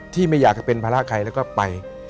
ไม่อยากจะเป็นภาระใครแล้วก็ไป